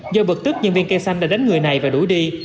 do bật tức nhân viên cây xăng đã đánh người này và đuổi đi